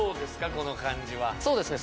この感じはそうですね